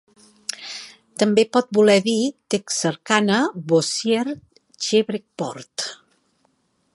També pot voler dir Texarkana, Bossier, Shreveport.